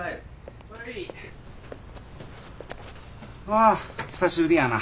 わあ久しぶりやな。